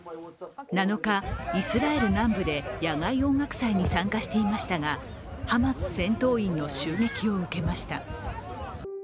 ７日、イスラエル南部で野外音楽祭に参加していましたが、ハマス戦闘員の襲撃を受けました。